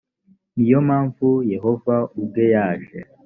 ni yo mpamvu yehova ubwe yaje